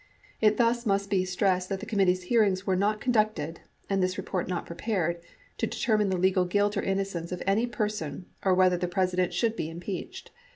It thus must be stressed that the committee's hearings were not conducted, and this report not prepared, to determine the legal guilt or innocence of any person or whether the President should be impeached.